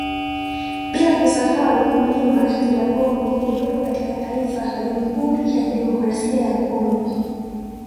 Bila kusahau mlima Nyiragongo uliopo katika taifa la Jamhuri ya Kidemokrasia ya Congo